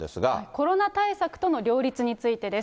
コロナ対策との両立についてです。